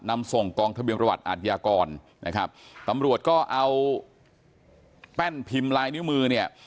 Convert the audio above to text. นำส่งกองทะเบียนประวัติอาทยากรนะครับตำรวจก็เอาแป้นพิมพ์ลายนิ้วมือเนี่ย